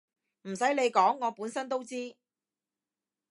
唔洗你講我本身都知